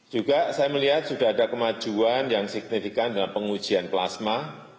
juga saya melihat sudah ada kemajuan yang signifikan dalam pengujian plasma